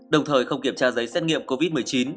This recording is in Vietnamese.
đồng thời không kiểm tra giấy xét nghiệm covid một mươi chín